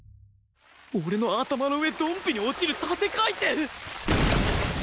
俺の頭の上ドンピに落ちる縦回転！？